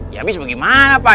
ya abis bagaimana pak